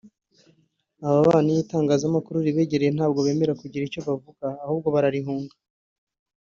Aba bana iyo itangazamakuru ribegereye ntabwo bemera kugira icyo bavuga ahubwo bararihunga)